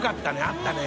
あったね。